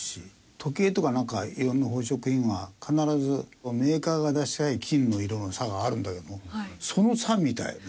時計とか色んな宝飾品は必ずメーカーが出したい金の色の差があるんだけどもその差みたいね。